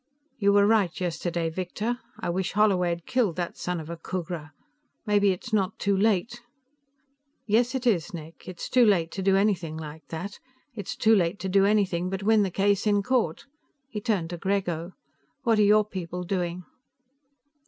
"You were right yesterday, Victor. I wish Holloway'd killed that son of a Khooghra. Maybe it's not too late " "Yes, it is, Nick. It's too late to do anything like that. It's too late to do anything but win the case in court." He turned to Grego. "What are your people doing?"